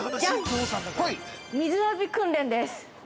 ◆水浴び訓練です。